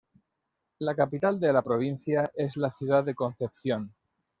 La capital de la provincia es la ciudad de Concepción.